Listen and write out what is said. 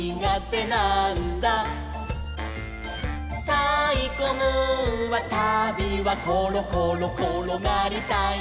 「たいこムーンはたびはころころころがりたいのさ」